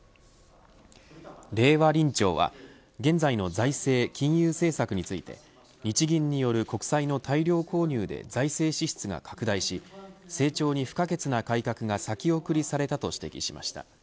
令和臨調は現在の財政、金融政策について日銀による国債の大量購入で財政支出が拡大し成長に不可欠な改革が先送りされたと指摘しました。